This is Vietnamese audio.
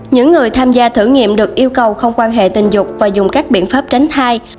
những người tham gia thử nghiệm được yêu cầu không quan hệ tình dục và dùng các biện pháp tránh thai